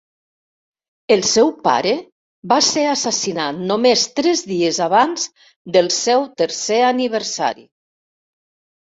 El seu pare va ser assassinat només tres dies abans del seu tercer aniversari.